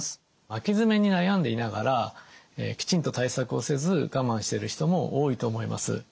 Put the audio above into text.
巻き爪に悩んでいながらきちんと対策をせず我慢してる人も多いと思います。